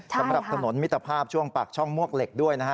สำหรับถนนมิตรภาพช่วงปากช่องมวกเหล็กด้วยนะฮะ